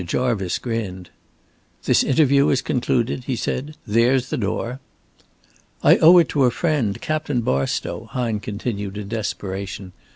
Jarvice grinned. "This interview is concluded," he said. "There's the door." "I owe it to a friend, Captain Barstow," Hine continued, in desperation.